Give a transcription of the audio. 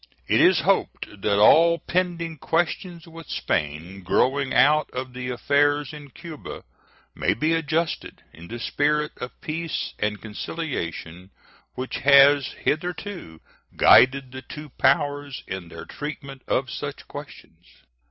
It is hoped that all pending questions with Spain growing out of the affairs in Cuba may be adjusted in the spirit of peace and conciliation which has hitherto guided the two powers in their treatment of such questions.